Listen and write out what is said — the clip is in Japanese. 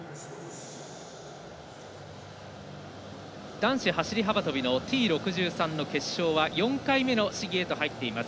男子走り幅跳びのＴ６３の決勝は４回目の試技へと入っています。